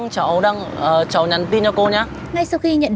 tương lượng công an đã xuất hiện